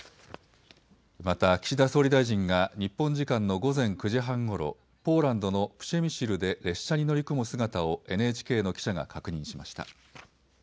また岸田総理大臣が日本時間の午前９時半ごろ、ポーランドのプシェミシルで列車に乗り込む姿をＮＨＫの記者が確認しました。